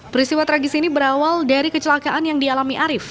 peristiwa tragis ini berawal dari kecelakaan yang dialami arief